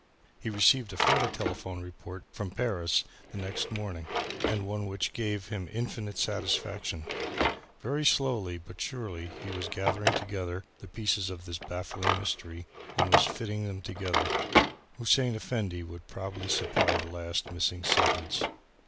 He received a further telephone report from Paris the next morning and one which gave him infinite satisfaction. Very slowly but surely he was gathering together the pieces of this baffling mystery and was fitting them together. Hussein Effendi would probably supply the last missing segments.